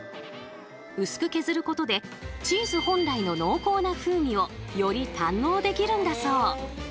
薄く削ることでチーズ本来の濃厚な風味をより堪能できるんだそう。